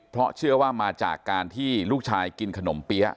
เพราะเชื่อว่ามาจากการที่ลูกชายกินขนมเปี๊ยะ